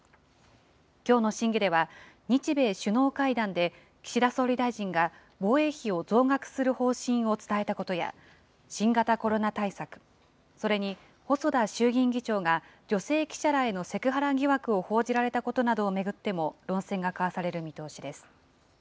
きょうの審議では、日米首脳会談で岸田総理大臣が防衛費を増額する方針を伝えたことや、新型コロナ対策、それに細田衆議院議長が女性記者らへのセクハラ疑惑を報じられたことなどを巡っても論戦が交わされる見通しです。